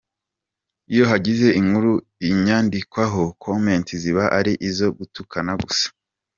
Iyo hagize inkuru inyandikwaho comments ziba ari izo gutukana gusa.